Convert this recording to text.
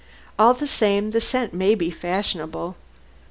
All the same, the scent may be fashionable.